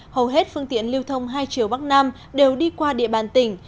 hầu hết phương tiện lưu thông hai chiều bắc nam đều đi qua địa bàn tỉnh